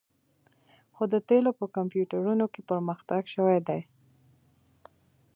خو د تیلو په کمپیوټرونو کې پرمختګ شوی دی